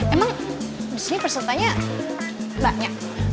eh emang disini pesertanya banyak